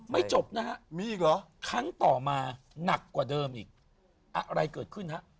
จบนะฮะมีอีกเหรอครั้งต่อมาหนักกว่าเดิมอีกอะไรเกิดขึ้นฮะ